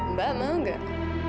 mbak mau gak